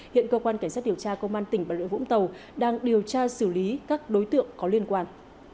hiện cơ quan cảnh sát điều tra công an tỉnh bà rịa vũng tàu đang điều tra xử lý các đối tượng có liên quan